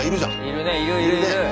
いるねいるいるいる。